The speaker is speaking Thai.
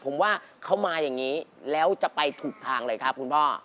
ผมว่าเขามาอย่างนี้แล้วจะไปถูกทางเลยครับคุณพ่อ